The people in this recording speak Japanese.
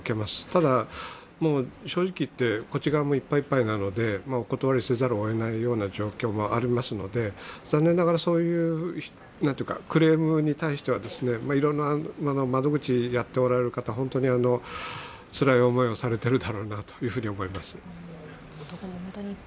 ただ、正直言ってこっち側もいっぱいいっぱいなのでお断りせざるをえない状況もありますので残念ながら、そういうクレームに対しては、いろんな窓口をやっておられる方、本当につらい思いをされているだろうなと思います。